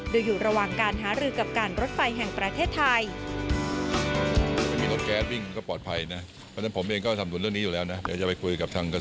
โดยอยู่ระหว่างการหารือกับการรถไฟแห่งประเทศไทย